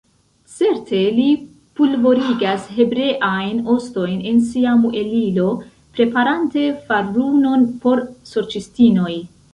Certe, li pulvorigas hebreajn ostojn en sia muelilo, preparante farunon por sorĉistinoj!